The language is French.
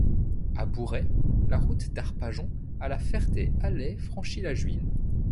À Bouray, la route d'Arpajon à la Ferté-Alais franchit la Juine.